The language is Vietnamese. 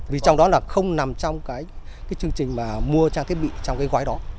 vì trong đó là không nằm trong cái chương trình mà mua trang thiết bị trong cái gói đó